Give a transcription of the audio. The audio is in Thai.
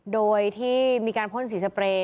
โดยที่มีการพ่นสีสเปรย์